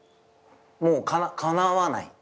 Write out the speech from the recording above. もうかなわない。